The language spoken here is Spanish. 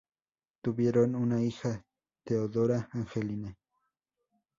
Tuvieron una hija, Teodora Angelina.